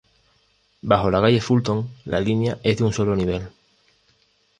Bajo la Calle Fulton, la línea es de un sólo nivel.